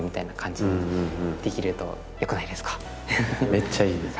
めっちゃいいですね。